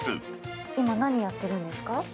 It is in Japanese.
今、何やってるんですか？